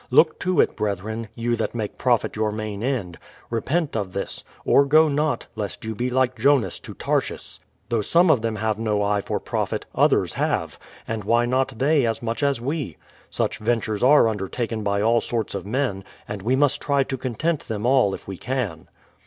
Look to it, brethren, you that make profit your main end; repent of this, or go not, lest you be like Jonas 44 BRADFORD'S HISTORY OF to Tarshis. Though some of them have no eye for profit, others have ; and why not they as much as we ? Such ventures are under taken by all sorts of men, and we must try to content them all if we can.